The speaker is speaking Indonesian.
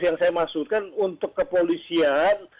yang saya maksudkan untuk kepolisian